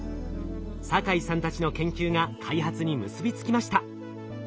酒井さんたちの研究が開発に結び付きました。